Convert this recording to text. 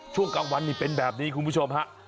ช่วงกลางวันนี่เป็นแบบนี้คุณผู้ชมฮะ